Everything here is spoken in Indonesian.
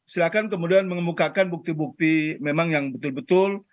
silahkan kemudian mengemukakan bukti bukti memang yang betul betul